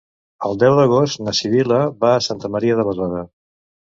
El deu d'agost na Sibil·la va a Santa Maria de Besora.